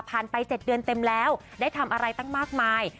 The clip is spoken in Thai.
ไป๗เดือนเต็มแล้วได้ทำอะไรตั้งมากมาย